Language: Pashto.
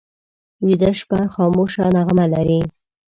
ویده شپه خاموشه نغمه لري